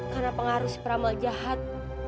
karena pengaruh si pramla jahat